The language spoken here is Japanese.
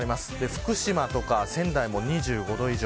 福島とか仙台でも２５度以上。